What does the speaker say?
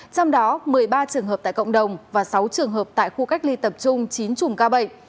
trong đó một mươi ba trường hợp tại cộng đồng và sáu trường hợp tại khu cách ly tập trung chín chùm ca bệnh